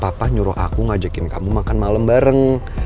papa nyuruh aku ngajakin kamu makan malam bareng